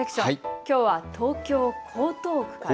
きょうは東京江東区。